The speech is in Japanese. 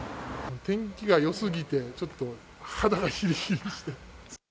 天気が良すぎてちょっと肌がヒリヒリして。